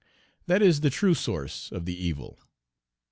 That is the true source of the evil.